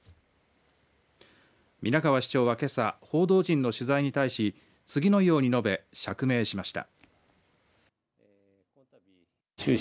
皆川市長は、けさ報道陣の取材に対し次のように述べ釈明しました。